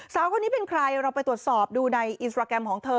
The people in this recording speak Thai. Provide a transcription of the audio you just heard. สาวคนนี้เป็นใครเราไปตรวจสอบดูในอินสตราแกรมของเธอ